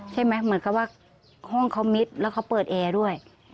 เหมือนกับว่าห้องเขามิดแล้วเขาเปิดแอร์ด้วย